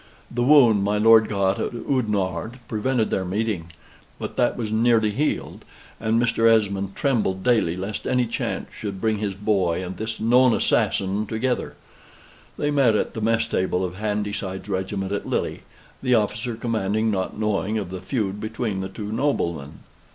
The wound my lord got at Oudenarde prevented their meeting, but that was nearly healed, and Mr. Esmond trembled daily lest any chance should bring his boy and this known assassin together. They met at the mess table of Handyside's regiment at Lille; the officer commanding not knowing of the feud between the two noblemen.